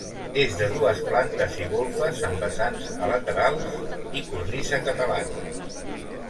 És de dues plantes i golfes amb vessants a laterals i cornisa catalana.